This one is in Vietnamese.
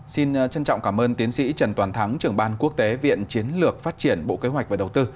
xin trân trọng cảm ơn tiến sĩ trần toàn thắng trưởng ban quốc tế viện chiến lược phát triển bộ kế hoạch và đầu tư